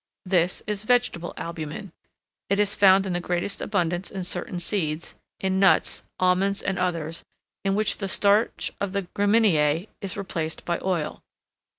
This is vegetable albumen. It is found in the greatest abundance in certain seeds, in nuts, almonds, and others, in which the starch of the gramineae is replaced by oil.